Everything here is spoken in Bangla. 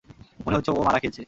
মনে হচ্ছে, ও মারা খেয়েছে।